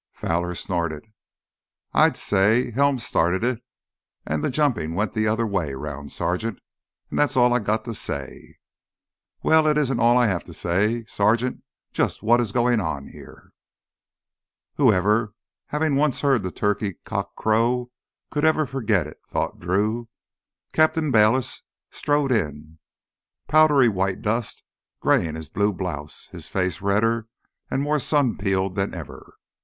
Fowler snorted. "I say Helms started it, an' th' jumpin' went th' other way 'round, Sergeant. An' that's all I got to say." "Well, it isn't all I have to say! Sergeant, just what is going on here?" Whoever, having once heard that turkey cock crow, could ever forget it, thought Drew. Captain Bayliss strode in, powdery white dust graying his blue blouse, his face redder and more sun peeled than ever.